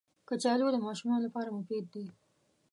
کچالو د ماشومانو لپاره مفید دي